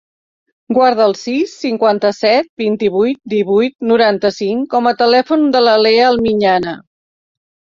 Guarda el sis, cinquanta-set, vint-i-vuit, divuit, noranta-cinc com a telèfon de la Lea Almiñana.